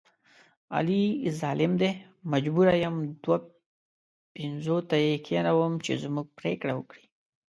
علي ظالم دی مجبوره یم دوه پنځوته یې کېنوم چې زموږ پرېکړه وکړي.